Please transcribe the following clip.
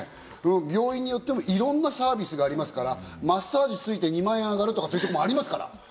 病院によってもいろんなサービスがありますから、マッサージついて２万円上がるとかいうところもありますから。